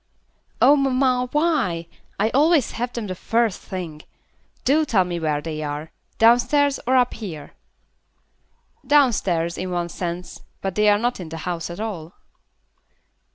"Oh, mamma, why? I always have them the first thing. Do tell me where they are. Downstairs or up here?" "Downstairs, in one sense, but they are not in the house at all."